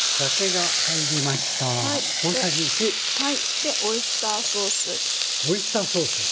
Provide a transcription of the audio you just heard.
でオイスターソース。